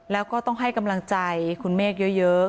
แล้วก็ต้องให้กำลังใจคุณเมฆเยอะ